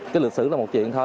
cái lực sử là một chuyện thôi